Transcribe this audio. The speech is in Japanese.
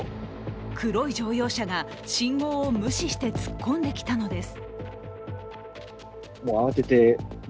黒い乗用車が信号を無視して突っ込んできたのです。